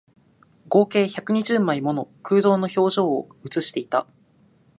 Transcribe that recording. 合計百二十枚もの空洞の表情を写していた